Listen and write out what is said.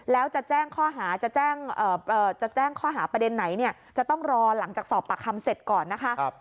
แล้วจะแจ้งข้อหาจะแจ้งข้อหาประเด็นไหนเนี่ยจะต้องรอหลังจากสอบปากคำเสร็จก่อนนะคะ